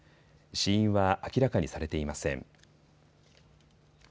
死因は明らかにされていません。